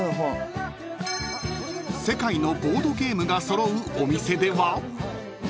［世界のボードゲームが揃うお店では］